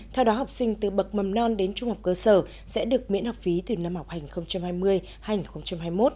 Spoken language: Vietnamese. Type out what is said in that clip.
theo đó học sinh từ bậc mầm non đến trung học cơ sở sẽ được miễn học phí từ năm học hành hai mươi hai nghìn hai mươi một